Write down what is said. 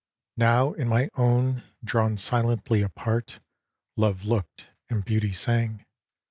Now in my own, drawn silently apart Love looked, and Beauty *sang.